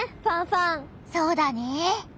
そうだね。